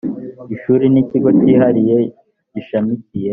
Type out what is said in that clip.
ishuri n’ikigo cyihariye gishamikiye